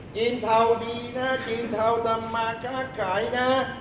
กินเทาดีนะกินเทาจะมาก้าขายนะ